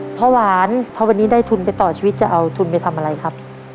หวานถ้าวันนี้ได้ทุนไปต่อชีวิตจะเอาทุนไปทำอะไรครับ